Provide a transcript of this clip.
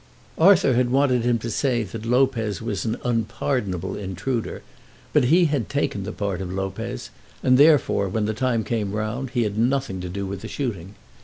Arthur had wanted him to say that Lopez was an unpardonable intruder, but he had taken the part of Lopez, and therefore, when the time came round, he had nothing to do with the shooting.